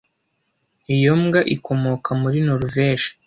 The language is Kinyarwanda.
Iyo mbwa ikomoka muri Noruveje